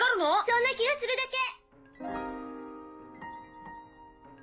そんな気がするだけ。